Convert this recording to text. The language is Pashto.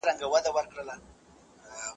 پروسس شوي خواړه زیان رسولی شي.